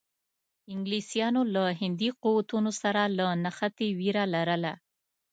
انګلیسانو له هندي قوتونو سره له نښتې وېره لرله.